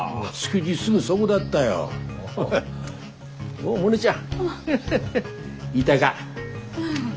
うん。